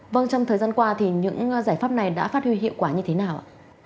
vâng trong thời gian qua thì những giải pháp này đã phát huy hiệu quả như thế nào ạ